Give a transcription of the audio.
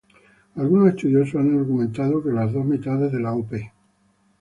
Algunos estudiosos han argumentado que las dos mitades de la Op.